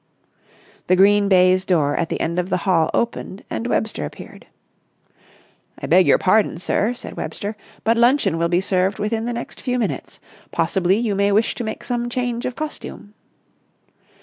The green baize door at the end of the hall opened, and Webster appeared. "I beg your pardon, sir," said Webster, "but luncheon will be served within the next few minutes. Possibly you may wish to make some change of costume."